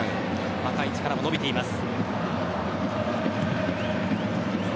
若い力も伸びています。